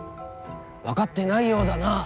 分かってないようだなあ。